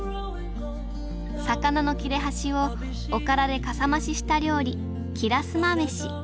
魚の切れ端をおからでかさ増しした料理きらすまめし。